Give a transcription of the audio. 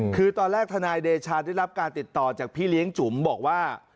คือตอนแรกทนายเดชาได้รับการติดต่อจากพี่เลี้ยงจุ๋มบอกว่า